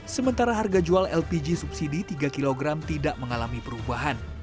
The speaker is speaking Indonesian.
sementara harga jual lpg subsidi tiga kg tidak mengalami perubahan